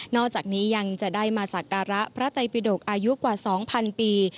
อกจากนี้ยังจะได้มาสักการะพระไตปิดกอายุกว่า๒๐๐ปี